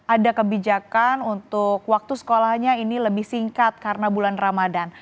ada kebijakan untuk waktu sekolahnya ini lebih singkat karena bulan ramadan